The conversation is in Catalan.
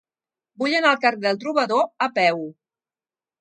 Vull anar al carrer del Trobador a peu.